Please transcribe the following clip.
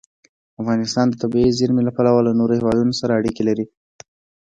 افغانستان د طبیعي زیرمې له پلوه له نورو هېوادونو سره اړیکې لري.